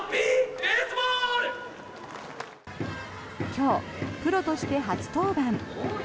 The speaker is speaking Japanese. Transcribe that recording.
今日、プロとして初登板。